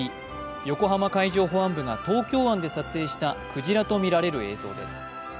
横浜海上保安部が東京湾で撮影した、クジラとみられる映像です。